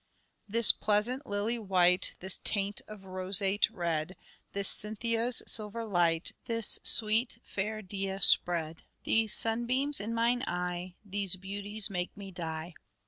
" This pleasant lily white, This taint of roseate red ; This Cynthia's silver light, This sweet fair Dea spread ; These sunbeams in mine eye, These beauties make me die."